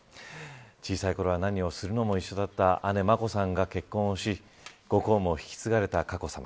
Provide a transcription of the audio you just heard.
小さいころは何をするにも一緒だった姉、眞子さんが結婚しご公務を引き継がれた佳子さま。